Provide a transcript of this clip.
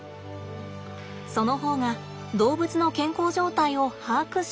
その方が動物の健康状態を把握しやすいからです。